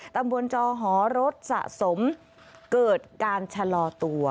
ตำบลจอหอรถสะสมเกิดการชะลอตัว